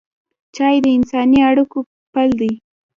چای د انساني اړیکو پل دی.